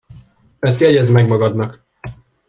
Ezt jegyezd meg magadnak!